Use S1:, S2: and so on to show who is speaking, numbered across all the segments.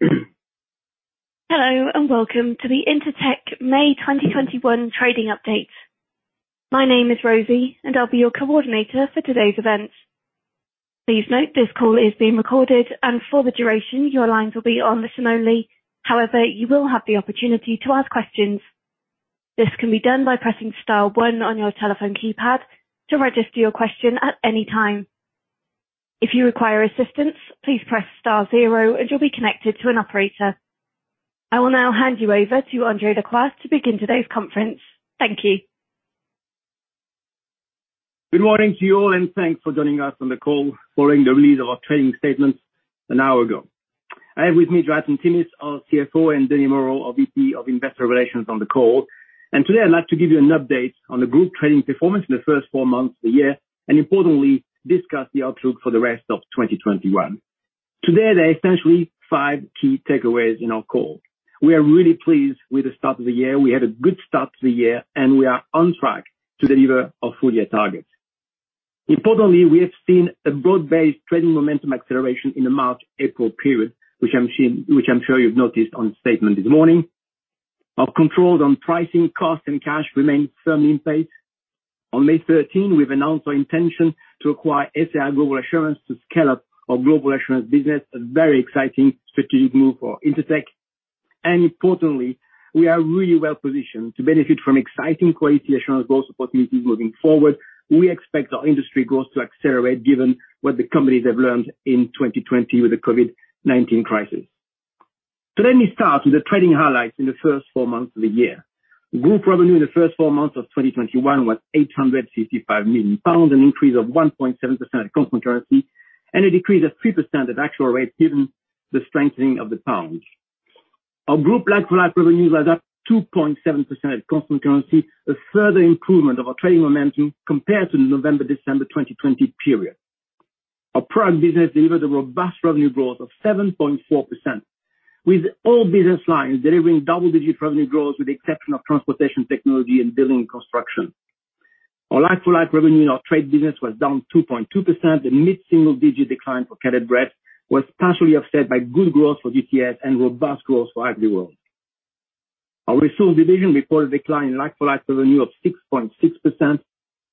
S1: Hello, and welcome to the Intertek May 2021 trading update. My name is Rosie, and I'll be your coordinator for today's event. Please note this call is being recorded, and for the duration, your lines will be on listen-only. However, you will have the opportunity to ask questions. This can be done by pressing star one on your telephone keypad to register your question at any time. If you require assistance, please press star zero and you'll be connected to an operator. I will now hand you over to André Lacroix to begin today's conference. Thank you.
S2: Good morning to you all, and thanks for joining us on the call following the release of our trading statement an hour ago. I have with me Jonathan Timmis, our CFO, and Denis Moreau, our VP of Investor Relations on the call. Today, I'd like to give you an update on the group trading performance in the first four months of the year, and importantly, discuss the outlook for the rest of 2021. Today, there are essentially five key takeaways in our call. We are really pleased with the start of the year. We had a good start to the year, and we are on track to deliver our full-year targets. Importantly, we have seen a broad-based trading momentum acceleration in the March-April period, which I'm sure you've noticed on the statement this morning. Our controls on pricing, cost, and cash remain firmly in place. On May 13, we have announced our intention to acquire SAI Global Assurance to scale up our global assurance business, a very exciting strategic move for Intertek. Importantly, we are really well-positioned to benefit from exciting quality assurance growth opportunities moving forward. We expect our industry growth to accelerate given what the companies have learned in 2020 with the COVID-19 crisis. Let me start with the trading highlights in the first four months of the year. Group revenue in the first four months of 2021 was 855 million pounds, an increase of 1.7% at constant currency and a decrease of 3% at actual rate given the strengthening of the pound. Our group like-for-like revenues are up 2.7% at constant currency, a further improvement of our trading momentum compared to the November-December 2020 period. Our Products business delivered a robust revenue growth of 7.4%, with all business lines delivering double-digit revenue growth with the exception of Transportation Technology and Building & Construction. Our like-for-like revenue in our Trade business was down 2.2%, a mid-single-digit decline for Caleb Brett was partially offset by good growth for GTS and robust growth for AgriWorld. Our Resources division reported a decline in like-for-like revenue of 6.6%.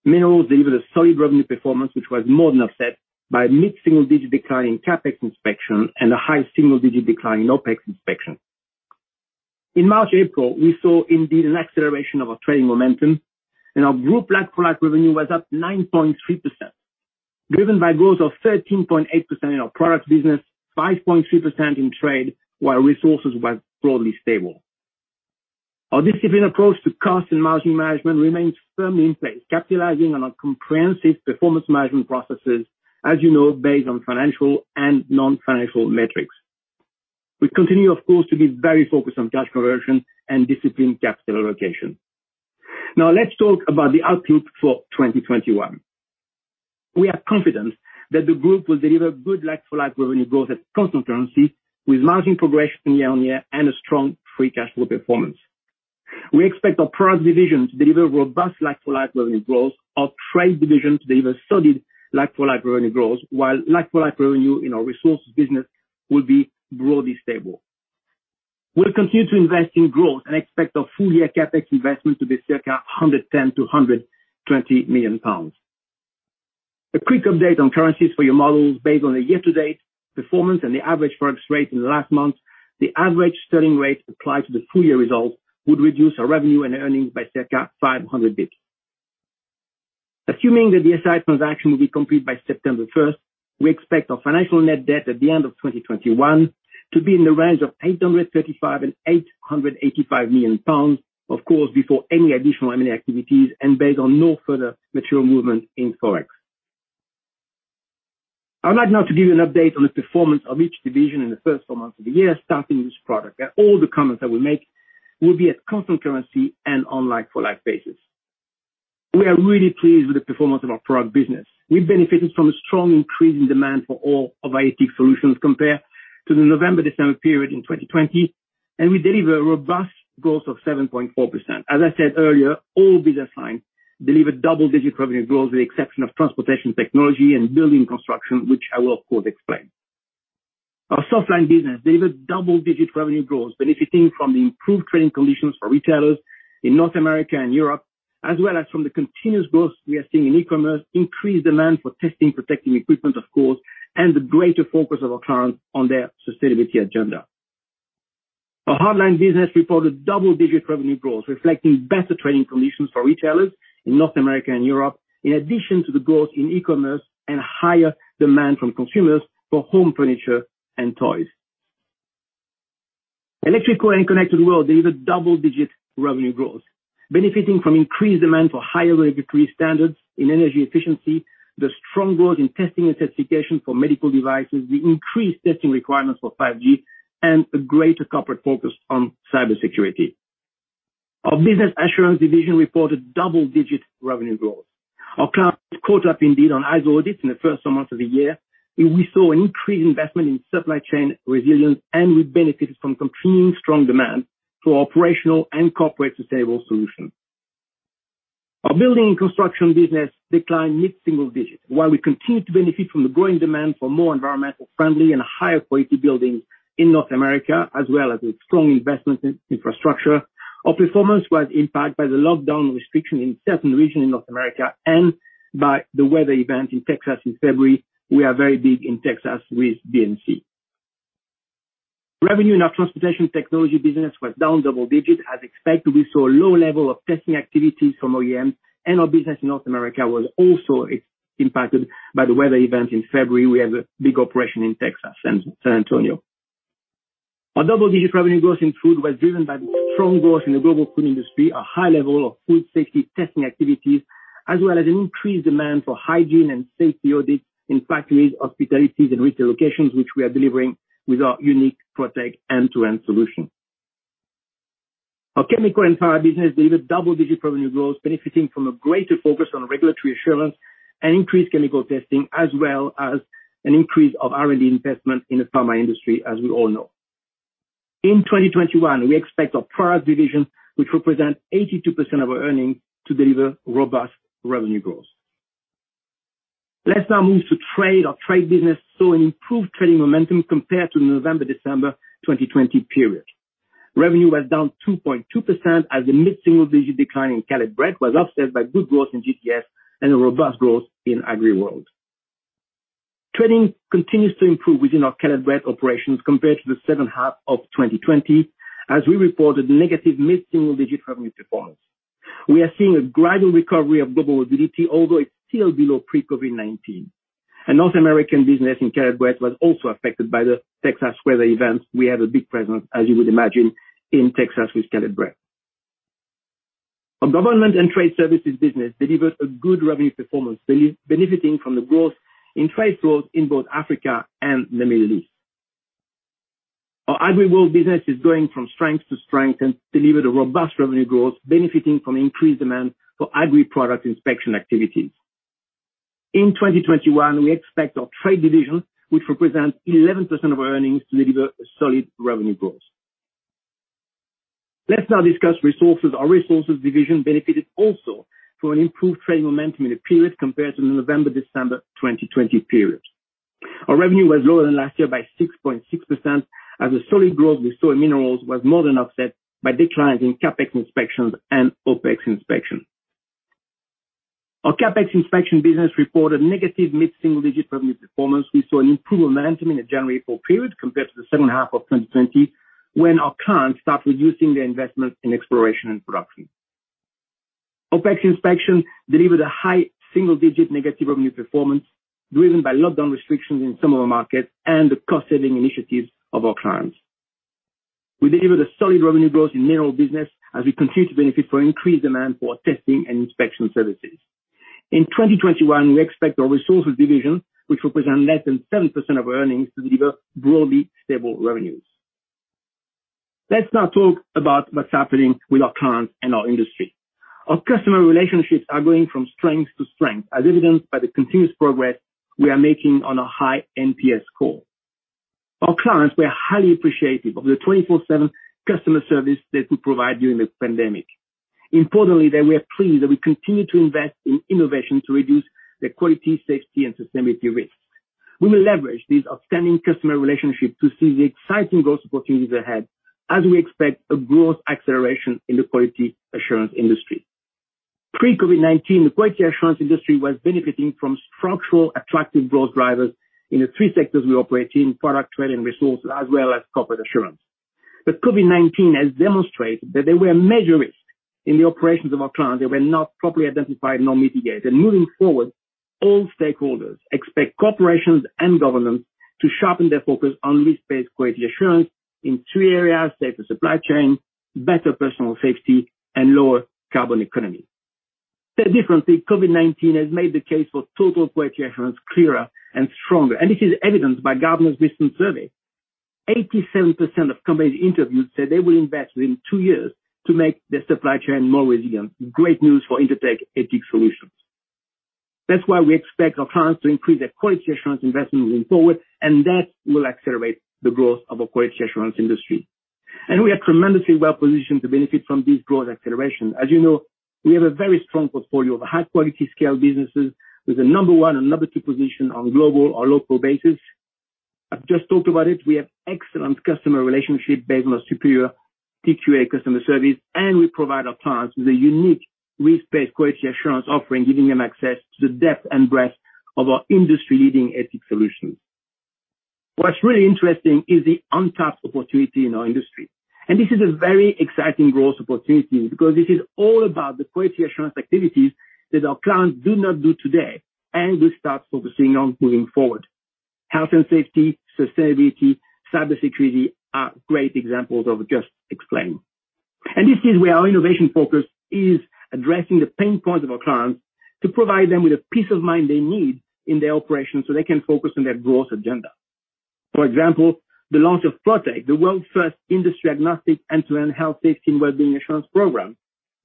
S2: Minerals delivered a solid revenue performance, which was more than offset by mid-single-digit decline in CapEx Inspection and a high single-digit decline in OpEx Inspection. In March, April, we saw indeed an acceleration of our trading momentum, and our group like-for-like revenue was up 9.3%, driven by growth of 13.8% in our Products business, 5.3% in Trade, while Resources was broadly stable. Our disciplined approach to cost and margin management remains firmly in place, capitalizing on our comprehensive performance management processes, as you know, based on financial and non-financial metrics. We continue, of course, to be very focused on cash conversion and disciplined capital allocation. Now, let's talk about the outlook for 2021. We are confident that the group will deliver good like-for-like revenue growth at constant currency, with margin progression year-on-year and a strong free cash flow performance. We expect our Products division to deliver robust like-for-like revenue growth, our Trade division to deliver solid like-for-like revenue growth, while like-for-like revenue in our Resources business will be broadly stable. We'll continue to invest in growth and expect our full-year CapEx investment to be circa 110 million-120 million pounds. A quick update on currencies for your models based on the year-to-date performance and the average exchange rate in the last month. The average selling rate applied to the full-year results would reduce our revenue and earnings by circa 500 basis points. Assuming that the SAI transaction will be complete by September 1st, we expect our financial net debt at the end of 2021 to be in the range of 835 million and 885 million pounds, of course, before any additional M&A activities and based on no further material movement in Forex. I'd like now to give you an update on the performance of each division in the first four months of the year, starting with Products. All the comments that we make will be at constant currency and on like-for-like basis. We are really pleased with the performance of our Products business. We benefited from a strong increase in demand for all of our ATIC solutions compared to the November-December period in 2020, and we delivered a robust growth of 7.4%. As I said earlier, all business lines delivered double-digit revenue growth with the exception of Transportation Technology and Building & Construction, which I will, of course, explain. Our Softlines delivered double-digit revenue growth, benefiting from the improved trading conditions for retailers in North America and Europe, as well as from the continuous growth we are seeing in e-commerce, increased demand for testing protective equipment, of course, and the greater focus of our clients on their sustainability agenda. Our Hardlines business reported double-digit revenue growth, reflecting better trading conditions for retailers in North America and Europe, in addition to the growth in e-commerce and higher demand from consumers for home furniture and toys. Electrical and Connected World delivered double-digit revenue growth, benefiting from increased demand for higher regulatory standards in energy efficiency, the strong growth in testing and certification for medical devices, the increased testing requirements for 5G, and a greater corporate focus on cybersecurity. Our Business Assurance division reported double-digit revenue growth. Our clients caught up indeed on ISO audits in the first four months of the year, and we saw increased investment in supply chain resilience, and we benefited from continuing strong demand for operational and corporate sustainable solutions. Our Building & Construction business declined mid-single-digit. While we continue to benefit from the growing demand for more environmental friendly and higher quality buildings in North America, as well as with strong investment in infrastructure, our performance was impacted by the lockdown restriction in certain regions in North America and by the weather event in Texas in February. We are very big in Texas with B&C. Revenue in our Transportation Technology business was down double-digit as expected. We saw a low level of testing activities from OEM. Our business in North America was also impacted by the weather event in February. We have a big operation in Texas, in San Antonio. Our double-digit revenue growth in Food was driven by strong growth in the global food industry, a high level of food safety testing activities, as well as an increased demand for hygiene and safety audits in factories, hospitalities, and retail locations, which we are delivering with our unique Protek end-to-end solution. Our Chemicals & Pharma business delivered double-digit revenue growth, benefiting from a greater focus on regulatory assurance and increased chemical testing, as well as an increase of R&D investment in the pharma industry, as we all know. In 2021, we expect our Products division, which represents 82% of our earnings, to deliver robust revenue growth. Let's now move to Trade. Our Trade business saw an improved trading momentum compared to the November-December 2020 period. Revenue was down 2.2% as the mid-single-digit decline in Caleb Brett was offset by good growth in GTS and a robust growth in AgriWorld. Trading continues to improve within our Caleb Brett operations compared to the second half of 2020, as we reported negative mid-single-digit revenue performance. We are seeing a gradual recovery of global mobility, although it's still below pre-COVID-19. North American business in Caleb Brett was also affected by the Texas weather events. We have a big presence, as you would imagine, in Texas with Caleb Brett. Our Government and Trade Services business delivered a good revenue performance, benefiting from the growth in trade flows in both Africa and the Middle East. Our AgriWorld business is going from strength to strength and delivered a robust revenue growth benefiting from increased demand for agri product inspection activities. In 2021, we expect our Trade division, which represents 11% of our earnings, to deliver a solid revenue growth. Let's now discuss Resources. Our Resources division benefited also from an improved trade momentum in the period compared to the November-December 2020 period. Our revenue was lower than last year by 6.6% as the solid growth with soil minerals was more than offset by declines CapEx Inspection and OpEx Inspections. Our CapEx Inspection business reported negative mid-single-digit revenue performance. We saw an improved momentum in the January-April period compared to the second half of 2020, when our clients started reducing their investment in exploration and production. OpEx Inspection delivered a high single-digit negative revenue performance driven by lockdown restrictions in some of our markets and the cost-saving initiatives of our clients. We delivered a solid revenue growth in Minerals business as we continue to benefit from increased demand for our testing and inspection services. In 2021, we expect our Resources division, which represent less than 7% of our earnings, to deliver broadly stable revenues. Let's now talk about what's happening with our clients and our industry. Our customer relationships are going from strength to strength, as evidenced by the continuous progress we are making on a high NPS score. Our clients were highly appreciative of the 24/7 customer service that we provide during the pandemic. Importantly, they were pleased that we continue to invest in innovation to reduce their quality, safety, and sustainability risks. We will leverage these outstanding customer relationships to seize the exciting growth opportunities ahead as we expect a growth acceleration in the quality assurance industry. Pre-COVID-19, the quality assurance industry was benefiting from structural attractive growth drivers in the three sectors we operate in: product, trade, and resources, as well as corporate assurance. COVID-19 has demonstrated that there were major risks in the operations of our clients that were not properly identified nor mitigated. Moving forward, all stakeholders expect corporations and governments to sharpen their focus on risk-based quality assurance in three areas: safer supply chain, better personal safety, and lower carbon economy. Said differently, COVID-19 has made the case for Total Quality Assurance clearer and stronger, and this is evidenced by Gartner's recent survey. 87% of companies interviewed said they will invest within two years to make their supply chain more resilient. Great news for Intertek ATIC solutions. That's why we expect our clients to increase their quality assurance investment moving forward. That will accelerate the growth of our quality assurance industry. We are tremendously well-positioned to benefit from this growth acceleration. As you know, we have a very strong portfolio of high-quality scale businesses with a number one and number two position on global or local basis. I've just talked about it. We have excellent customer relationship based on our superior TQA customer service, and we provide our clients with a unique risk-based quality assurance offering, giving them access to the depth and breadth of our industry-leading ATIC solutions. What's really interesting is the untapped opportunity in our industry. This is a very exciting growth opportunity because this is all about the quality assurance activities that our clients do not do today and will start focusing on moving forward. Health and safety, sustainability, cybersecurity are great examples of just explained. This is where our innovation focus is addressing the pain points of our clients to provide them with a peace of mind they need in their operations so they can focus on their growth agenda. For example, the launch of Protek, the world's first industry agnostic end-to-end health, safety, and wellbeing assurance program.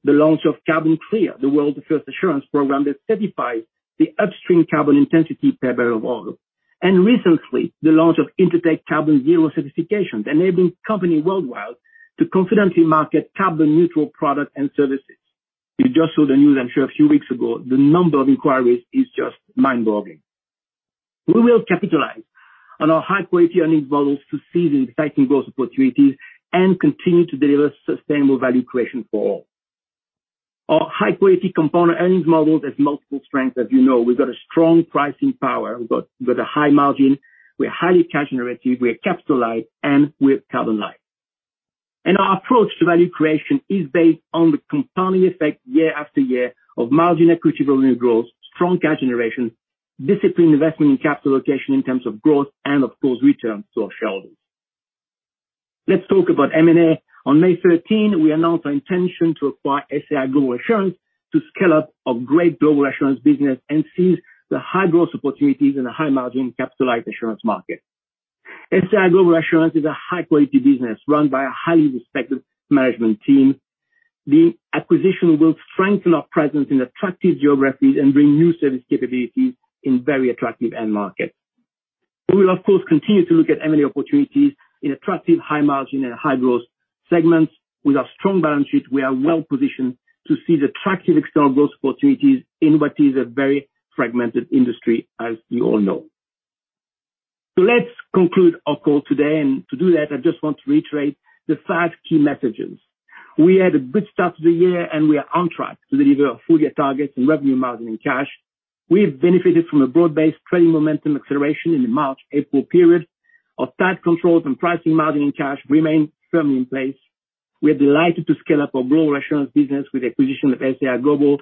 S2: The launch of CarbonClear, the world's first assurance program that certifies the upstream carbon intensity per barrel of oil. Recently, the launch of Intertek CarbonZero certification, enabling companies worldwide to confidently market carbon neutral products and services. You just saw the news I'm sure a few weeks ago, the number of inquiries is just mind-boggling. We will capitalize on our high-quality earnings models to seize the exciting growth opportunities and continue to deliver sustainable value creation for all. Our high-quality compounder earnings models has multiple strengths, as you know. We've got a strong pricing power. We've got a high margin. We're highly cash generative, we are capitalized, and we are carbon-light. Our approach to value creation is based on the compounding effect year after year of margin and equity building growth, strong cash generation, disciplined investing in capital allocation in terms of growth, and of course, returns to our shareholders. Let's talk about M&A. On May 13, we announced our intention to acquire SAI Global Assurance to scale up our great global assurance business and seize the high-growth opportunities in the high-margin capitalized assurance market. SAI Global Assurance is a high-quality business run by a highly respected management team. The acquisition will strengthen our presence in attractive geographies and bring new service capabilities in very attractive end markets. We will, of course, continue to look at M&A opportunities in attractive high-margin and high-growth segments. With our strong balance sheet, we are well-positioned to seize attractive external growth opportunities in what is a very fragmented industry, as you all know. Let's conclude our call today. To do that, I just want to reiterate the five key messages. We had a good start to the year, and we are on track to deliver our full-year targets in revenue, margin, and cash. We have benefited from a broad-based trading momentum acceleration in the March-April period. Our tight controls on pricing, margin, and cash remain firmly in place. We are delighted to scale up our Global Assurance business with the acquisition of SAI Global.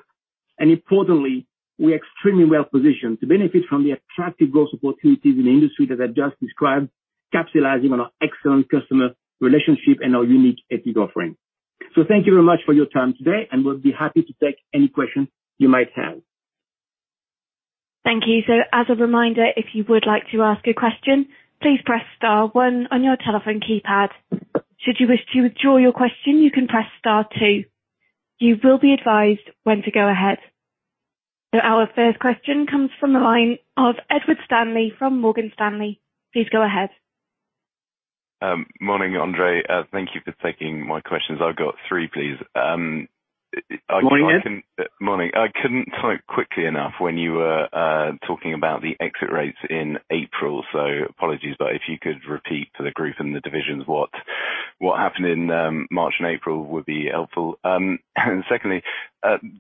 S2: Importantly, we are extremely well-positioned to benefit from the attractive growth opportunities in the industry that I have just described, capitalizing on our excellent customer relationships and our unique IP offering. Thank you very much for your time today, and we'll be happy to take any questions you might have.
S1: Thank you. As a reminder, if you would like to ask a question, please press star one on your telephone keypad. Should you wish to withdraw your question, you can press star two. You will be advised when to go ahead. Our first question comes from the line of Edward Stanley from Morgan Stanley. Please go ahead.
S3: Morning, André. Thank you for taking my questions. I've got three, please.
S2: Morning.
S3: Morning. I couldn't type quickly enough when you were talking about the exit rates in April, so apologies, but if you could repeat for the group and the divisions what happened in March and April would be helpful. Secondly,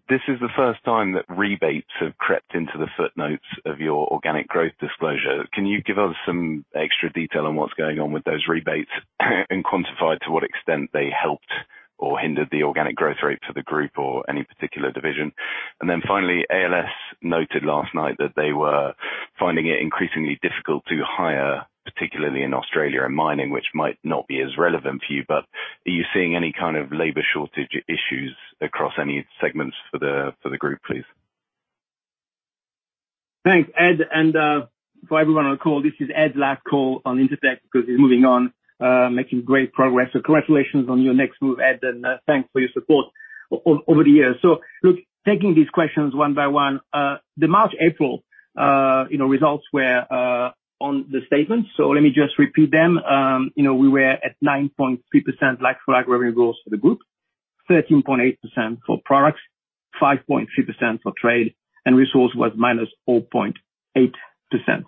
S3: this is the first time that rebates have crept into the footnotes of your organic growth disclosure. Can you give us some extra detail on what's going on with those rebates and quantify to what extent they helped or hindered the organic growth rate for the group or any particular division? Finally, ALS noted last night that they were finding it increasingly difficult to hire, particularly in Australia and mining, which might not be as relevant for you, but are you seeing any kind of labor shortage issues across any segments for the group, please?
S2: Thanks, Ed. For everyone on the call, this is Ed's last call on Intertek because he's moving on, making great progress. Congratulations on your next move, Ed, and thanks for your support over the years. Look, taking these questions one by one. The March, April results were on the statement. Let me just repeat them. We were at 9.3% like-for-like revenue growth for the group, 13.8% for Products, 5.3% for Trade, and Resource was -4.8%.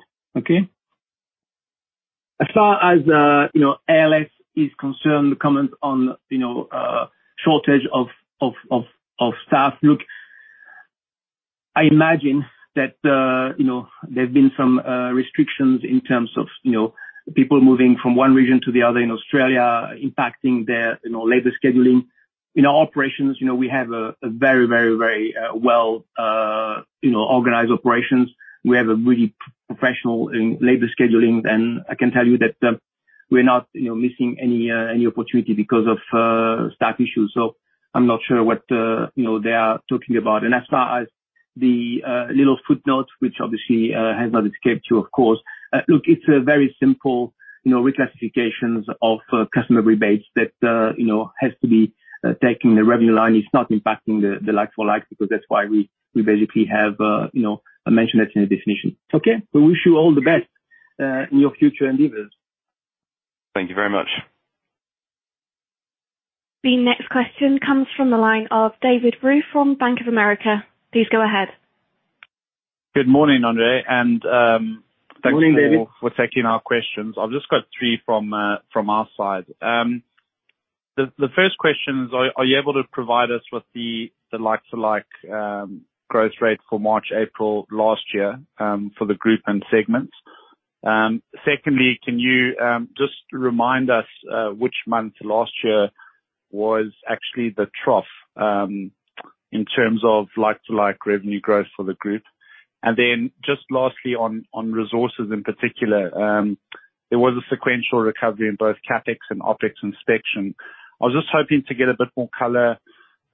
S2: As far as ALS is concerned, the comments on shortage of staff. Look, I imagine that there have been some restrictions in terms of people moving from one region to the other in Australia impacting their labor scheduling. In our operations, we have a very well-organized operations. We have a really professional labor scheduling team, and I can tell you that we're not missing any opportunity because of staff issues. I'm not sure what they are talking about. As far as the little footnotes, which obviously has not escaped you, of course. Look, it's a very simple reclassification of customer rebates that has to be taken in the revenue line. It's not impacting the like-for-like because that's why we basically have a mention of it in the definition. We wish you all the best in your future endeavors.
S3: Thank you very much.
S1: The next question comes from the line of David Roux from Bank of America. Please go ahead.
S4: Good morning, André.
S2: Morning, David.
S4: Thanks for taking our questions. I've just got three from our side. The first question is, are you able to provide us with the like-for-like growth rate for March, April last year for the group and segments? Secondly, can you just remind us which month last year was actually the trough in terms of like-for-like revenue growth for the group? On Resources in particular, there was a sequential recovery in both CapEx and OpEx Inspection. I was just hoping to get a bit more color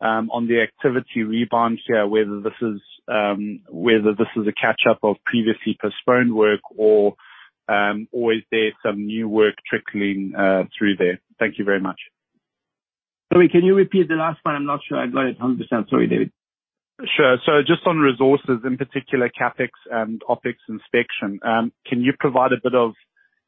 S4: on the activity rebound here, whether this is a catch-up of previously postponed work or is there some new work trickling through there. Thank you very much.
S2: Sorry, can you repeat the last one? I'm not sure I got it 100%. Sorry, David.
S4: Sure. Just on Resources, in particular CapEx and OpEx Inspection, can you provide a bit of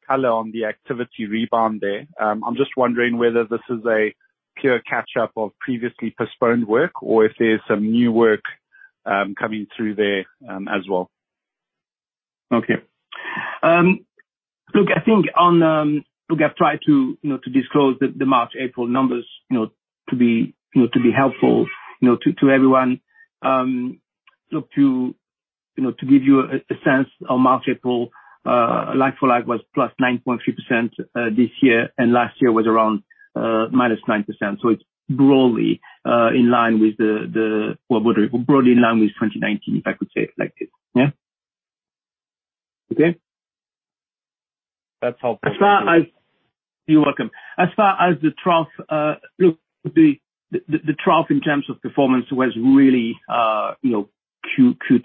S4: color on the activity rebound there? I am just wondering whether this is a pure catch-up of previously postponed work or if there is some new work coming through there as well.
S2: I think I've tried to disclose the March, April numbers to be helpful to everyone. To give you a sense of March, April, like-for-like was +9.3% this year, and last year was around -9%. It's broadly in line with 2019, if I could say it like this.
S4: That's helpful.
S2: You're welcome. As far as the trough, the trough in terms of performance was really Q2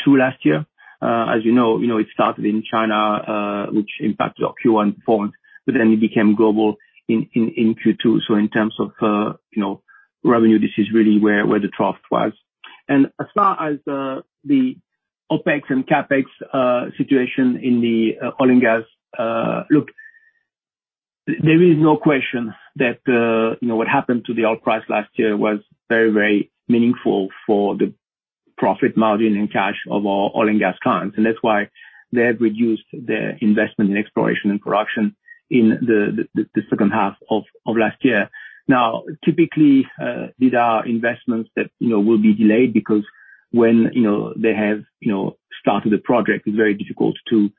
S2: last year. As you know, it started in China, which impacted our Q1 performance, but then it became global in Q2. In terms of revenue, this is really where the trough was. As far as the OpEx and CapEx situation in the oil and gas, there is no question that what happened to the oil price last year was very meaningful for the profit margin and cash of our oil and gas clients. That's why they have reduced their investment in exploration and production in the second half of last year. Now, typically, these are investments that will be delayed because when they have started a project, it's very difficult to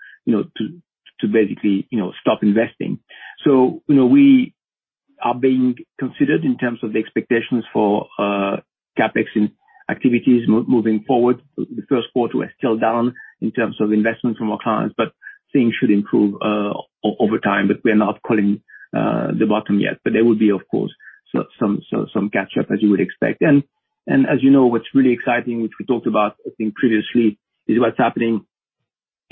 S2: basically stop investing. We are being considered in terms of the expectations for CapEx in activities moving forward. The first quarter was still down in terms of investment from our clients, things should improve over time. We are not calling the bottom yet. There will be, of course, some catch-up as you would expect. As you know, what's really exciting, which we talked about, I think previously, is what's happening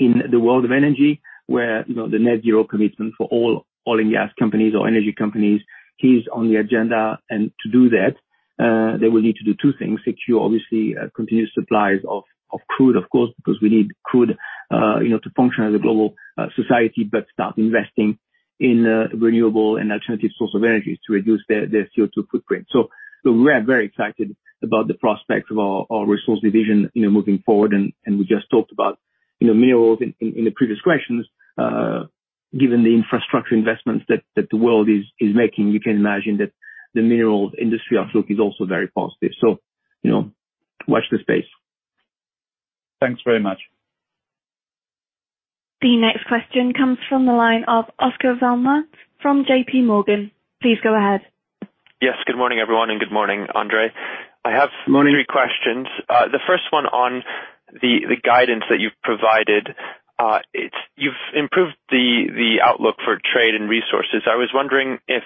S2: in the world of energy, where the net-zero commitment for all oil and gas companies or energy companies is on the agenda. To do that, they will need to do two things, which is, obviously, continued supplies of crude, of course, because we need crude to function as a global society, but start investing in renewable and alternative source of energies to reduce their CO₂ footprint. We are very excited about the prospects of our Resources division moving forward. We just talked about minerals in the previous questions, given the infrastructure investments that the world is making, you can imagine that the minerals industry outlook is also very positive. Watch this space.
S4: Thanks very much.
S1: The next question comes from the line of Oscar Val Mas from JPMorgan. Please go ahead.
S5: Yes. Good morning, everyone, and good morning, André.
S2: Morning.
S5: I have three questions. The first one on the guidance that you've provided. You've improved the outlook for Trade and Resources. I was wondering if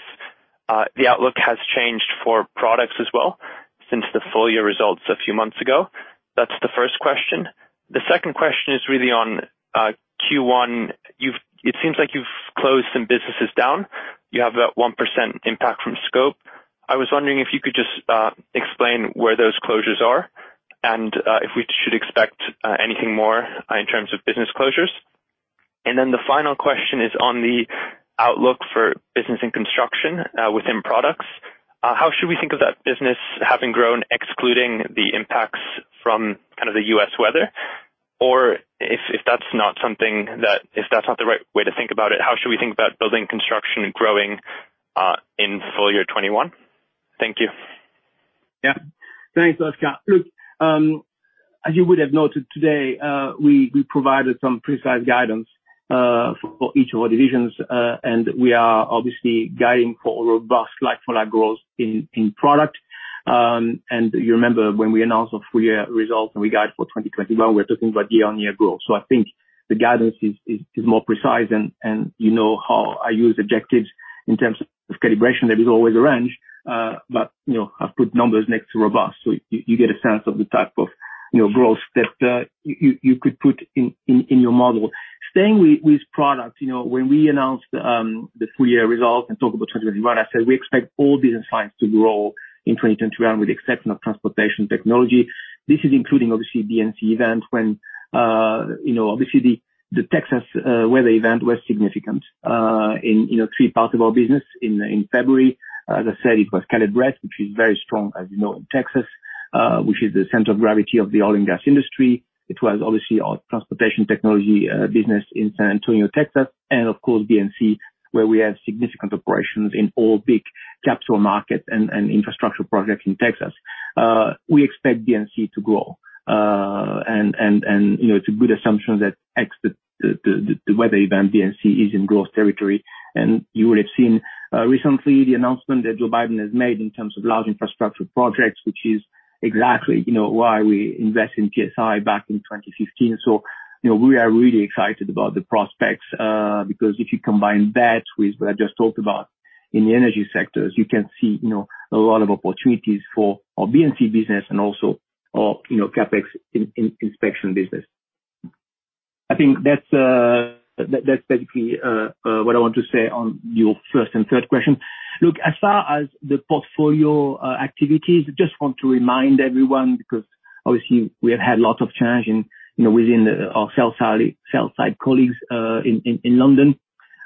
S5: the outlook has changed for Products as well since the full-year results a few months ago. That's the first question. The second question is really on Q1. It seems like you've closed some businesses down. You have about 1% impact from scope. I was wondering if you could just explain where those closures are and if we should expect anything more in terms of business closures. The final question is on the outlook for Business and Construction within Products. How should we think of that business having grown, excluding the impacts from the U.S. weather? If that's not the right way to think about it, how should we think about Building & Construction growing in full year 2021? Thank you.
S2: Thanks, Oscar. As you would have noted today, we provided some precise guidance for each of our divisions. We are obviously guiding for robust like-for-like growth in Products. You remember when we announced our full-year results and we guide for 2021, we are talking about year-on-year growth. I think the guidance is more precise, and you know how I use adjectives in terms of calibration. There is always a range, but I've put numbers next to robust, so you get a sense of the type of growth that you could put in your model. Staying with Products, when we announced the full-year results and talk about 2021, I said we expect all business lines to grow in 2021 with the exception of Transportation Technology. This is including, obviously, B&C events. Obviously, the Texas weather event was significant in three parts of our business in February. As I said, it was Caleb Brett, which is very strong, as you know, in Texas, which is the center of gravity of the oil and gas industry. It was obviously our Transportation Technology business in San Antonio, Texas, and of course, B&C, where we have significant operations in all big capital markets and infrastructure projects in Texas. We expect B&C to grow. It's a good assumption that ex the weather event, B&C is in growth territory. You would have seen recently the announcement that Joe Biden has made in terms of large infrastructure projects, which is exactly why we invest in PSI back in 2015. We are really excited about the prospects, because if you combine that with what I just talked about in the energy sectors, you can see a lot of opportunities for our B&C business and also our CapEx Inspection business. I think that's basically what I want to say on your first and third question. As far as the portfolio activities, I just want to remind everyone, because obviously we have had lots of change within our sales side colleagues in London.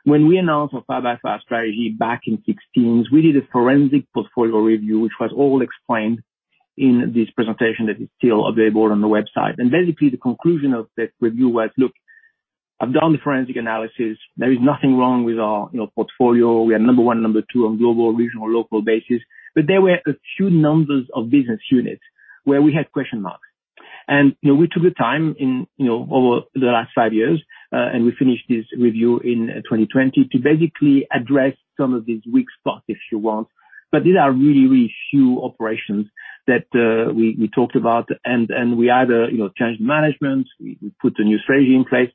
S2: When we announced our share buyback strategy back in 2016, we did a forensic portfolio review, which was all explained in this presentation that is still available on the website. The conclusion of that review was, I've done the forensic analysis. There is nothing wrong with our portfolio. We are number one, number two on global, regional, local basis. There were a few numbers of business units where we had question marks. We took the time, over the last five years, and we finished this review in 2020, to basically address some of these weak spots, if you want. These are really few operations that we talked about, and we either changed management, we put the new strategy in place.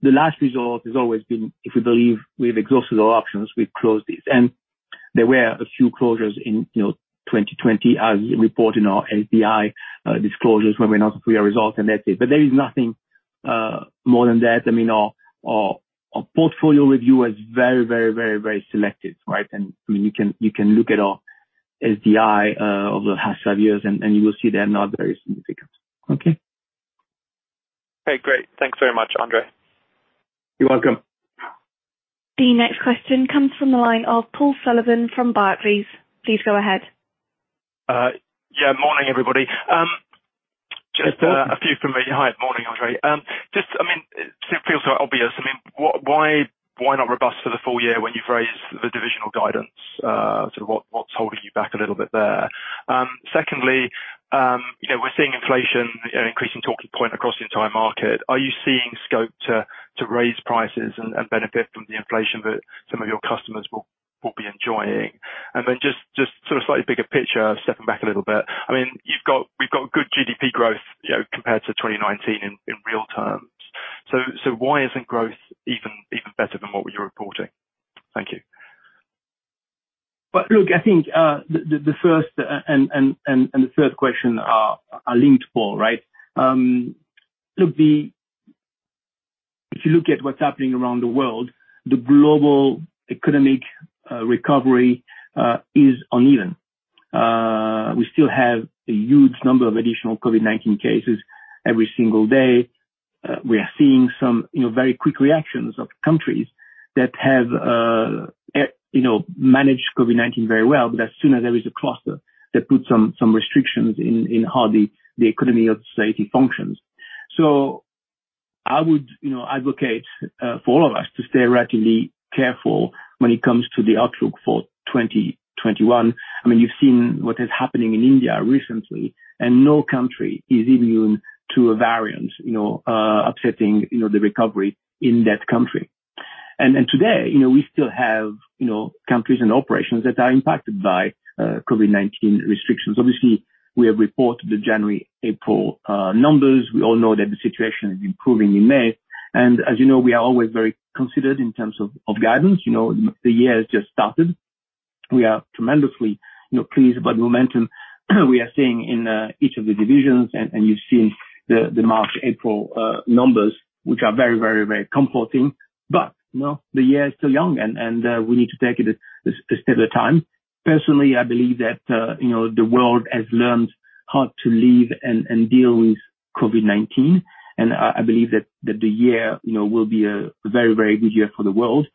S2: The last result has always been, if we believe we've exhausted our options, we close it. There were a few closures in 2020, as we report in our NPI disclosures when we announced the pre-result on that day. There is nothing more than that. Our portfolio review was very selective. You can look at our NPI over the past five years, and you will see they are not very significant.
S5: Great. Thanks very much, André.
S2: You're welcome.
S1: The next question comes from the line of Paul Sullivan from Barclays. Please go ahead.
S6: Morning, everybody.
S2: Hi, Paul.
S6: A few for me. Hi, morning, André. Just feels obvious. Why not robust for the full year when you've raised the divisional guidance? What's holding you back a little bit there? Secondly, we're seeing inflation, increasing talking point across the entire market. Are you seeing scope to raise prices and benefit from the inflation that some of your customers will be enjoying? Just slightly bigger picture, stepping back a little bit. We've got good GDP growth compared to 2019 in real terms. Why isn't growth even better than what you're reporting? Thank you.
S2: I think the first and third questions are linked, Paul. If you look at what's happening around the world, the global economic recovery is uneven. We still have a huge number of additional COVID-19 cases every single day. We are seeing some very quick reactions of countries that have managed COVID-19 very well, but as soon as there is a cluster, they put some restrictions in how the economy or society functions. I would advocate for all of us to stay relatively careful when it comes to the outlook for 2021. You've seen what is happening in India recently, and no country is immune to a variant affecting the recovery in that country. Today, we still have countries and operations that are impacted by COVID-19 restrictions. Obviously, we have reported the January, April numbers. We all know that the situation is improving in May. As you know, we are always very considered in terms of guidance. The year has just started. We are tremendously pleased about the momentum we are seeing in each of the divisions, and you've seen the March, April numbers, which are very comforting. The year is still young, and we need to take it a step at a time. Personally, I believe that the world has learned how to live and deal with COVID-19, and I believe that the year will be a very good year for the world.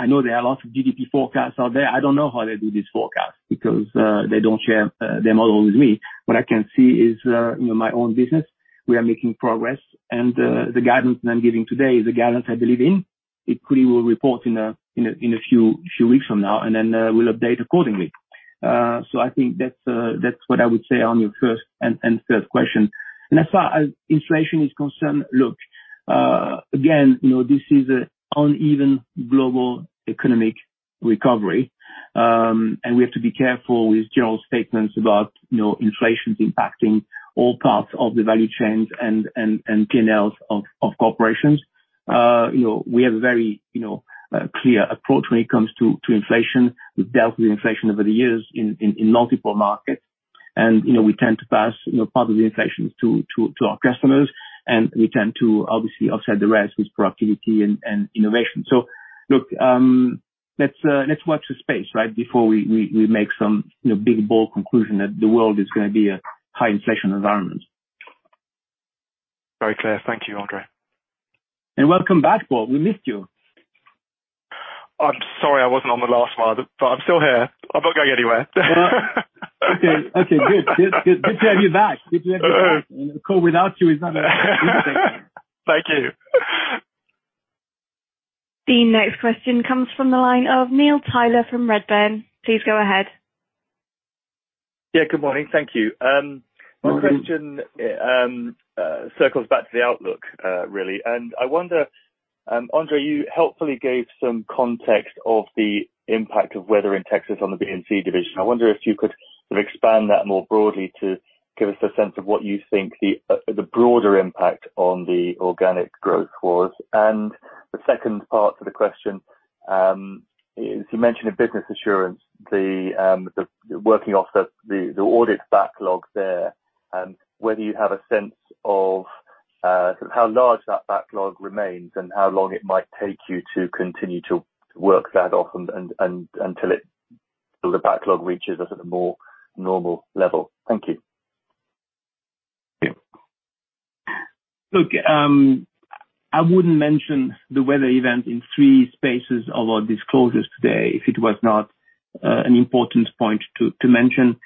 S2: I know there are a lot of GDP forecasts out there. I don't know how they do these forecasts, because they don't share their model with me. What I can see is my own business. We are making progress, and the guidance I'm giving today is the guidance I believe in. It clearly will report in a few weeks from now, and then we'll update accordingly. I think that's what I would say on your first and third question. As far as inflation is concerned, this is an uneven global economic recovery, and we have to be careful with general statements about inflation impacting all parts of the value chains and P&Ls of corporations. We have a very clear approach when it comes to inflation. We've dealt with inflation over the years in multiple markets, and we tend to pass part of the inflation to our customers, and we tend to obviously offset the rest with productivity and innovation. Let's watch the space before we make some big, bold conclusion that the world is going to be a high inflation environment.
S6: Very clear. Thank you, André.
S2: Welcome back, Paul. We missed you.
S6: I'm sorry I wasn't on the last one, but I'm still here. I'm not going anywhere.
S2: Good to have you back. The call without you is not the same.
S6: Thank you.
S1: The next question comes from the line of Neil Tyler from Redburn. Please go ahead.
S7: Good morning. Thank you.
S2: Morning.
S7: My question circles back to the outlook, really. I wonder, André, you helpfully gave some context of the impact of weather in Texas on the B&C division. I wonder if you could expand that more broadly to give us a sense of what you think the broader impact on the organic growth was. The second part of the question. You mentioned Business Assurance, the working offset, the audit backlog there, and whether you have a sense of how large that backlog remains and how long it might take you to continue to work that off until the backlog reaches a more normal level. Thank you.
S2: I wouldn't mention the weather event in three spaces of our disclosures today if it was not an important point to mention.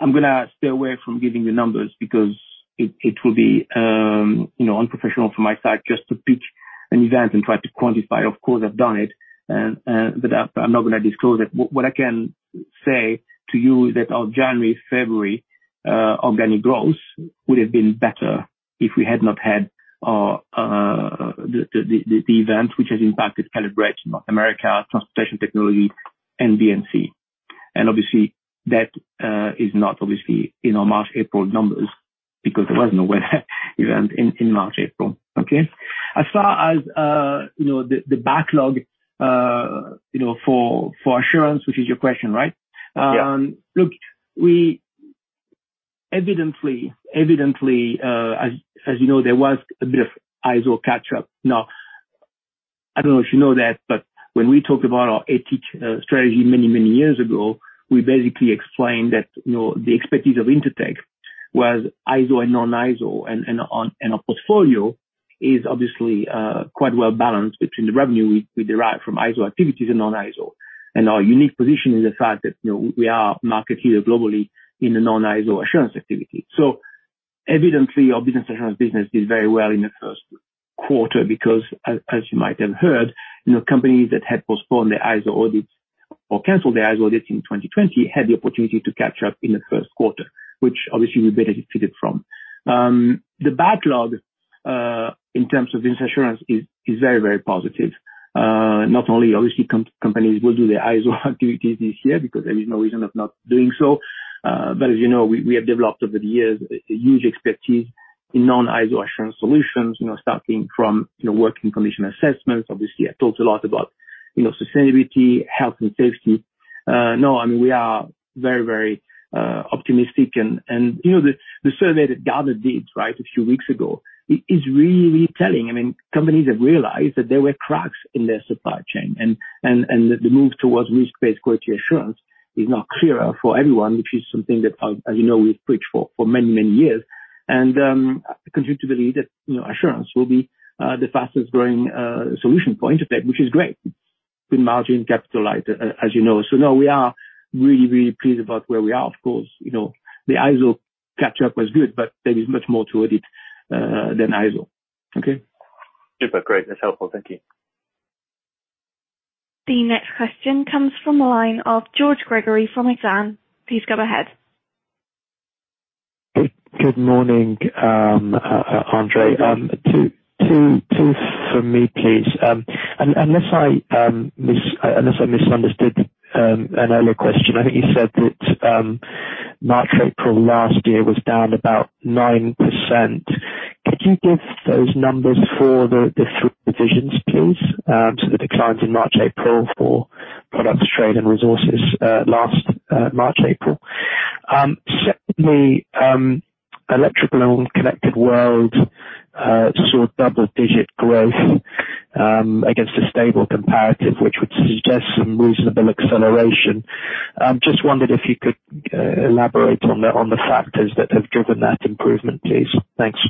S2: I'm going to stay away from giving you numbers because it will be unprofessional for my side just to pick an event and try to quantify. Of course, I've done it, but I'm not going to disclose it. What I can say to you is that our January, February organic growth would have been better if we had not had the event, which has impacted Caleb Brett North America, Transportation Technology, and B&C. Obviously, that is not in our March, April numbers, because there was no weather event in March, April. As far as the backlog for assurance, which is your question, right?
S7: Yeah.
S2: Evidently, as you know, there was a bit of ISO catch up. I don't know if you know that, but when we talked about our strategy many, many years ago, we basically explained that the expertise of Intertek was ISO and non-ISO, and our portfolio is obviously quite well-balanced between the revenue we derive from ISO activities and non-ISO. Our unique position is the fact that we are market leaders globally in the non-ISO assurance activity. Evidently, our Business Assurance business did very well in the first quarter, because, as you might have heard, companies that had postponed their ISO audits or canceled their ISO audit in 2020 had the opportunity to catch up in the first quarter, which obviously we benefited from. The backlog in terms of this assurance is very positive. Not only, obviously, companies will do the ISO activities this year, because there is no reason of not doing so. As you know, we have developed over the years a huge expertise in non-ISO assurance solutions, starting from working condition assessments. Obviously, I talked a lot about sustainability, health, and safety. No, we are very optimistic. The survey that Gartner did a few weeks ago is really telling. Companies have realized that there were cracks in their supply chain and that the move towards risk-based quality assurance is now clearer for everyone, which is something that as you know we've preached for many years. I continue to believe that assurance will be the fastest-growing solution point of it, which is great. Good margin capitalized, as you know. Now, we are really pleased about where we are. Of course, the ISO catch up was good, but there is much more to audit than ISO.
S7: Super great. That's helpful. Thank you.
S1: The next question comes from the line of George Gregory from Exane. Please go ahead.
S8: Good morning, André. Two from me, please. Unless I misunderstood an earlier question, I think you said that March, April last year was down about 9%. Could you give those numbers for the three divisions, please? The decline in March, April for Products, Trade, and Resources last March, April. Secondly, Electrical and Connected World saw double-digit growth against a stable comparative, which would suggest some reasonable acceleration. Just wondered if you could elaborate on the factors that have driven that improvement, please. Thanks.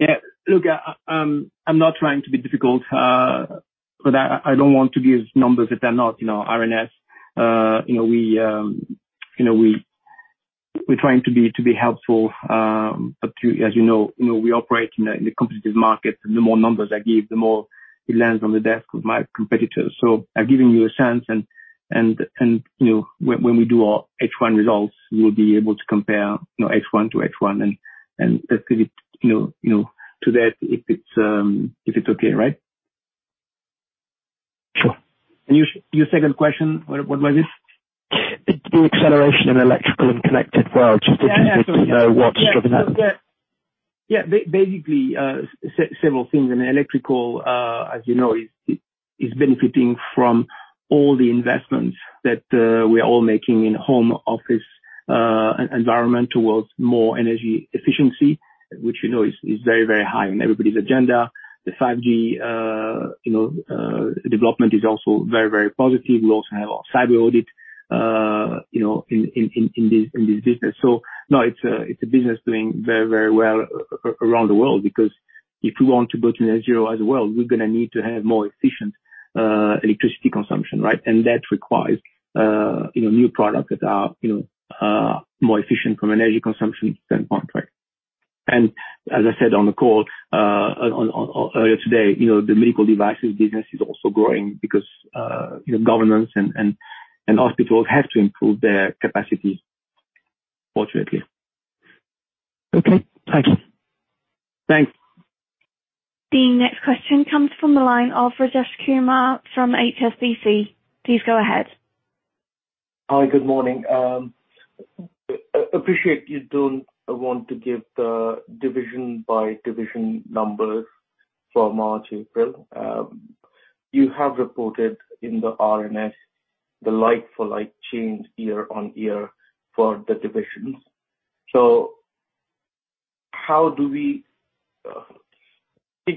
S2: I'm not trying to be difficult, but I don't want to give numbers if they're not RNS. We're trying to be helpful, but as you know we operate in a competitive market, and the more numbers I give, the more it lands on the desk of my competitors. I give them a chance, and when we do our H1 results, we'll be able to compare H1 to H1 and attribute to that if it's okay.
S8: Sure.
S2: Your second question, what was this?
S8: The acceleration of Electrical and Connected World, just interested to know what's driving that.
S2: Basically, several things. In Electrical, as you know, it's benefiting from all the investments that we are all making in home office environment towards more energy efficiency, which is very high on everybody's agenda. The 5G development is also very positive. We also have a lot of cyber audits in this business. No, it's a business doing very well around the world because if we want to go to net-zero as well, we're going to need to have more efficient electricity consumption. That requires new products that are more efficient from an energy consumption standpoint. As I said on the call earlier today, the medical devices business is also growing because governments and hospitals have to improve their capacity, fortunately.
S8: Okay. Thank you.
S2: Thanks.
S1: The next question comes from the line of Rajesh Kumar from HSBC. Please go ahead.
S9: Hi, good morning. I appreciate you don't want to give the division-by-division numbers from March, April. You have reported in the RNS, the like-for-like change year-on-year for the divisions.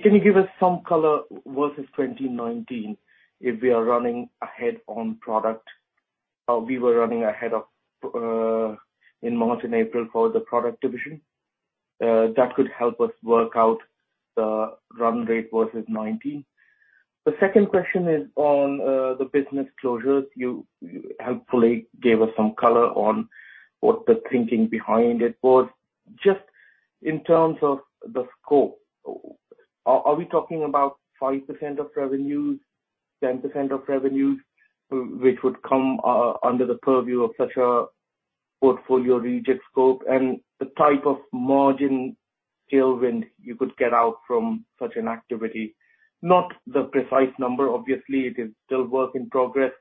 S9: Can you give us some color versus 2019 if we are running ahead on Products? We were running ahead in March and April for the Products division. That could help us work out the run rate versus 2019. The second question is on the business closures. You helpfully gave us some color on what the thinking behind it was. Just in terms of the scope, are we talking about 5% of revenues, 10% of revenues, which would come under the purview of such a portfolio reject scope, and the type of margin tailwind you could get out from such an activity? Not the precise number, obviously, it is still work in progress,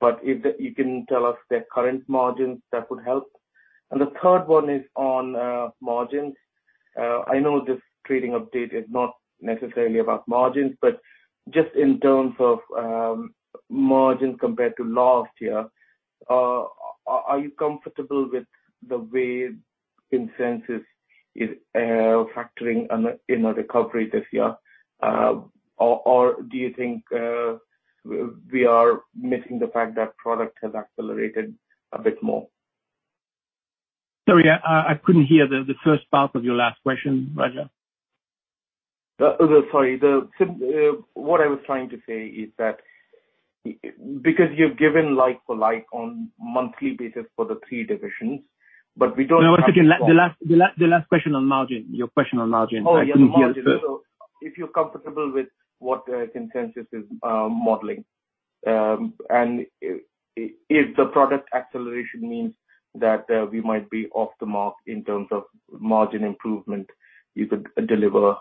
S9: but if you can tell us the current margins, that would help. The third one is on margins. I know this trading update is not necessarily about margins, but just in terms of margins compared to last year, are you comfortable with the way consensus is factoring in a recovery this year? Do you think we are missing the fact that Products has accelerated a bit more?
S2: Sorry, I couldn't hear the first part of your last question, Rajesh.
S9: Sorry. What I was trying to say is that because you've given like-for-like on monthly basis for the three divisions, but we don't-
S2: No, sorry. The last question on margin. Your question on margin.
S9: Oh, margin. If you're comfortable with what consensus is modeling, and if the product acceleration means that we might be off the mark in terms of margin improvement you could deliver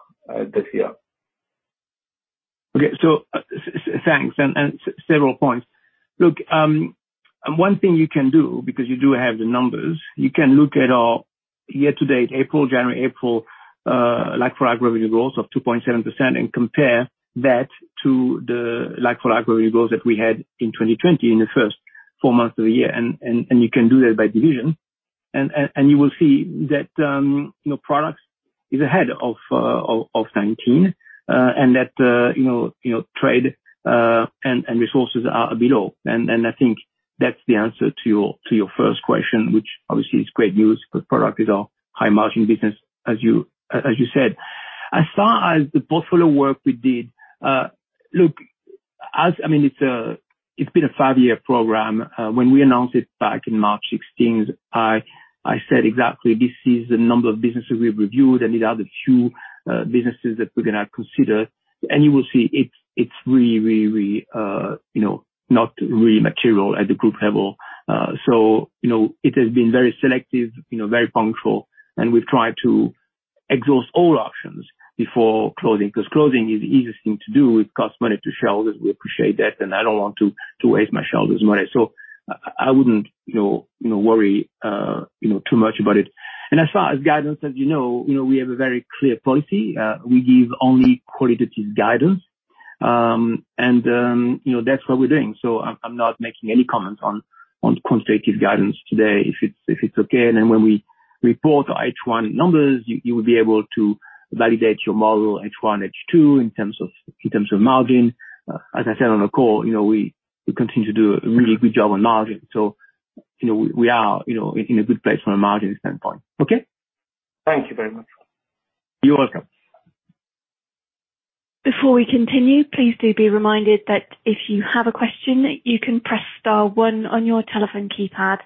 S9: this year.
S2: Thanks, and several points. One thing you can do, because you do have the numbers, you can look at our year to date, April, January, April, like-for-like revenue growth of 2.7% and compare that to the like-for-like revenue growth that we had in 2020 in the first four months of the year, and you can do that by division. You will see that Products is ahead of 2019, and that Trade and Resources are below. I think that's the answer to your first question, which obviously is great news for Products, is our high margin business, as you said. As far as the portfolio work we did, it's been a five-year program. When we announced it back in March 2016, I said exactly, this is the number of businesses we've reviewed, and these are the few businesses that we're going to consider. You will see it's not really material at the group level. It has been very selective, very punctual, and we try to exhaust all options before closing, because closing is the easiest thing to do. It costs money to shareholders, we appreciate that, and I don't want to waste my shareholders' money. I wouldn't worry too much about it. As far as guidance, as you know, we have a very clear policy. We give only qualitative guidance, and that's what we're doing. I'm not making any comments on quantitative guidance today, if it's okay. When we report our H1 numbers, you will be able to validate your model H1 and H2 in terms of margin. As I said on the call, we continue to do a really good job on margin. We are in a good place from a margin standpoint.
S9: Thank you very much.
S2: You're welcome.
S1: Before we continue, please do be reminded that if you have a question, you can press star one on your telephone keypad.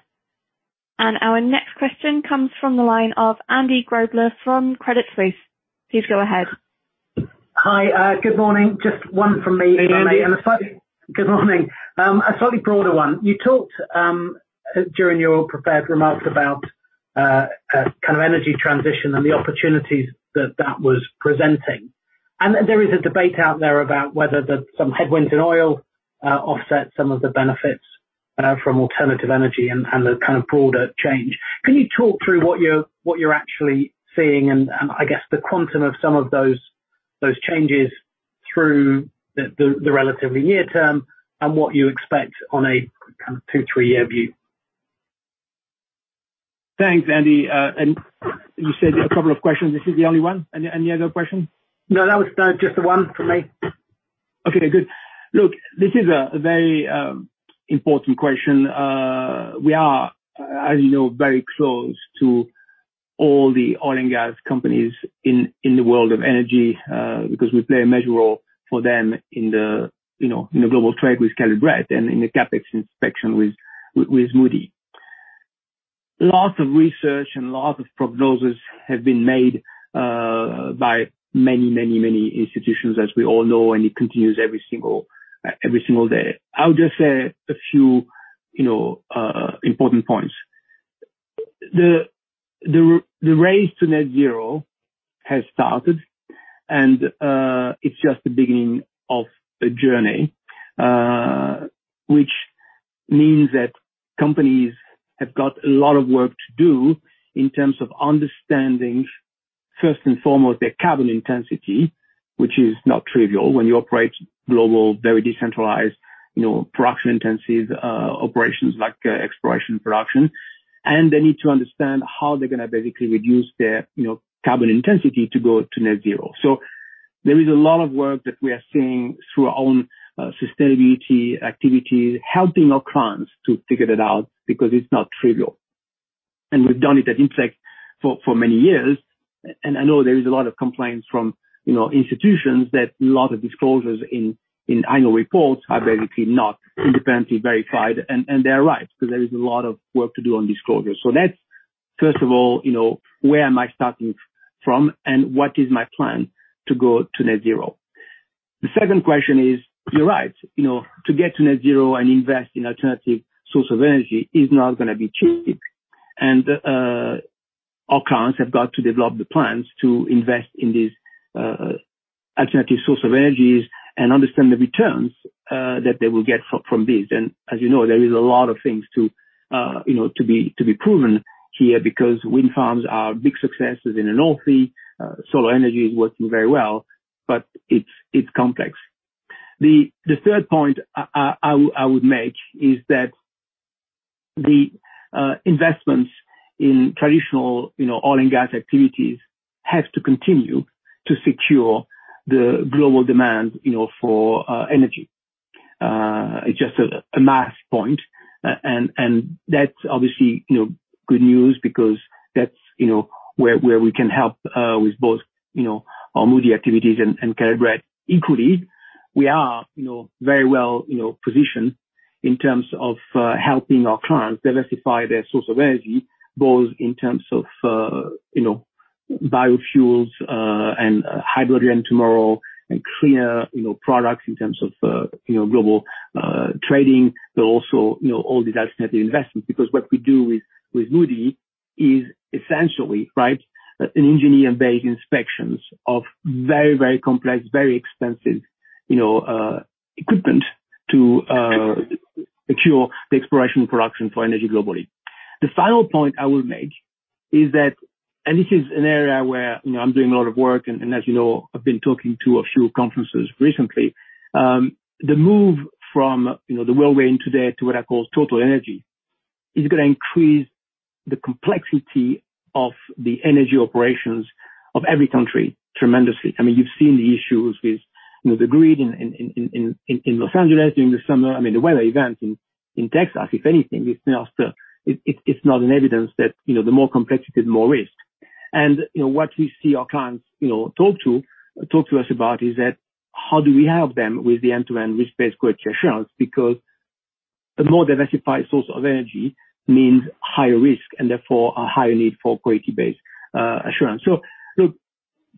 S1: Our next question comes from the line of Andy Grobler from Credit Suisse. Please go ahead.
S10: Hi, good morning. Just one from me today.
S2: Good morning.
S10: Good morning. A slightly broader one. You talked during your prepared remarks about energy transition and the opportunities that that was presenting. There is a debate out there about whether some headwind in oil offsets some of the benefits from alternative energy and the kind of broader change. Can you talk through what you're actually seeing and, I guess, the quantum of some of those changes through the relative and near term and what you expect on a two-, three-year view?
S2: Thanks, Andy. You said a couple of questions. This is the only one? Any other questions?
S10: No, that was just the one from me.
S2: Good. This is a very important question. We are, as you know, very close to all the oil and gas companies in the world of energy because we play a major role for them in the global trade with Caleb Brett and in the CapEx Inspection with Moody. Lots of research and lots of prognoses have been made by many institutions, as we all know, and it continues every single day. I'll just say a few important points. The race to net-zero has started, and it's just the beginning of a journey, which means that companies have got a lot of work to do in terms of understanding, first and foremost, their carbon intensity, which is not trivial when you operate global, very decentralized production intensive operations like exploration production. They need to understand how they're going to basically reduce their carbon intensity to go to net-zero. There is a lot of work that we are seeing through our own sustainability activity, helping our clients to figure that out because it's not trivial. We've done it at Intertek for many years, and I know there's a lot of complaints from institutions that a lot of disclosures in annual reports are basically not independently verified, and they're right, there is a lot of work to do on disclosure. That's first of all, where am I starting from and what is my plan to go to net-zero. The second question is, you're right, to get to net-zero and invest in alternative source of energy is not going to be cheap. Our clients have got to develop the plans to invest in these alternative source of energies and understand the returns that they will get from this. As you know, there is a lot of things to be proven here because wind farms are big successes in the North Sea. Solar energy is working very well, but it's complex. The third point I would make is that the investments in traditional oil and gas activities have to continue to secure the global demand for energy. Just a last point, and that's obviously good news because that's where we can help, with both our Moody activities and Caleb Brett. We are very well-positioned in terms of helping our clients diversify their source of energy, both in terms of biofuels, and hydrogen tomorrow and clear products in terms of global trading, but also all the alternative investments. What we do with Moody is essentially an engineering-based inspections of very complex, very expensive equipment to secure the exploration production for energy globally. The final point I would make is that, this is an area where I'm doing a lot of work, and as you know, I've been talking to a few conferences recently. The move from the world we're in today to what I call total energy is going to increase the complexity of the energy operations of every country tremendously. You've seen the issues with the grid in Los Angeles during the summer. The weather events in Texas, if anything, it's not an evidence that the more complexity, the more risk. What we see our clients talk to us about is that how do we help them with the end-to-end risk-based quality assurance because a more diversified source of energy means higher risk, and therefore a higher need for quality-based assurance.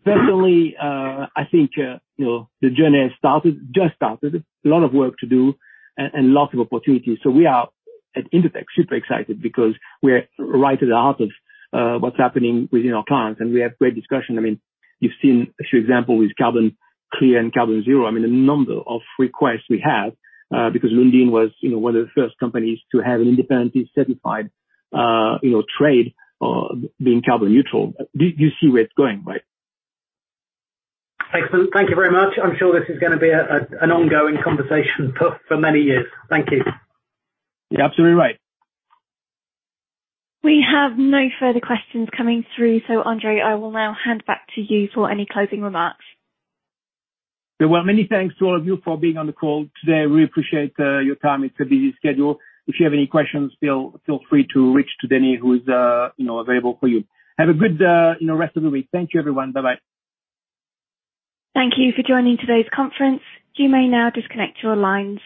S2: Personally, I think, the journey has just started. A lot of work to do and lots of opportunities. We are at Intertek, super excited because we are right at the heart of what's happening within our clients, and we have great discussion. You've seen a few example with CarbonClear and CarbonZero. A number of requests we have, because Lundin was one of the first companies to have independently certified trade being carbon neutral. You see where it's going.
S10: Excellent. Thank you very much. I'm sure this is going to be an ongoing conversation for many years. Thank you.
S2: You're absolutely right.
S1: We have no further questions coming through. André, I will now hand back to you for any closing remarks.
S2: Well, many thanks to all of you for being on the call today. We appreciate your time. It's a busy schedule. If you have any questions, feel free to reach to Denis who's available for you. Have a good rest of the week. Thank you, everyone. Bye-bye.
S1: Thank you for joining today's conference. You may now disconnect your lines.